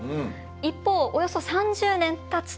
一方およそ３０年たつと。